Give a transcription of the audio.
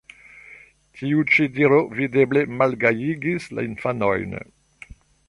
Tiu ĉi diro videble malgajigis la infanojn.